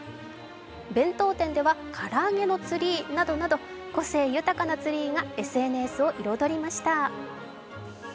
弁当店ではからあげのツリーなどなど、個性豊かなツリーがＳＮＳを彩りました。